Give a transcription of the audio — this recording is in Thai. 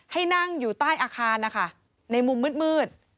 ให้นั่งอยู่ใต้อาคารนะคะในมุมมืด